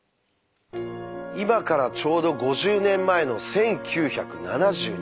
今からちょうど５０年前の１９７２年。